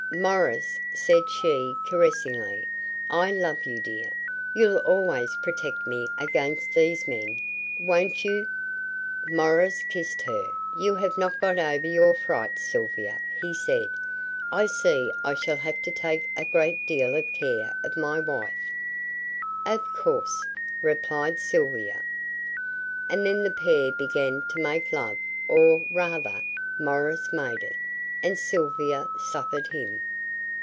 "Maurice," said she, caressingly, "I love you, dear. You'll always protect me against these men, won't you?" Maurice kissed her. "You have not got over your fright, Sylvia," he said. "I see I shall have to take a great deal of care of my wife." "Of course," replied Sylvia. And then the pair began to make love, or, rather, Maurice made it, and Sylvia suffered him.